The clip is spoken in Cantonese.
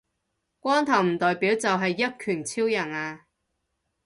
光頭唔代表就係一拳超人呀